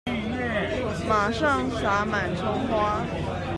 馬上灑滿蔥花